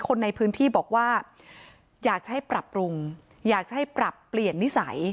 คนในพื้นที่บอกว่าอยากจะให้ปรับปรุงอยากจะให้ปรับเปลี่ยนนิสัย